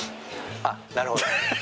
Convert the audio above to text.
あっなるほど。